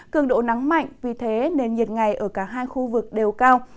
cường độ nắng mạnh vì thế nền nhiệt ngày ở cả hai khu vực đều cao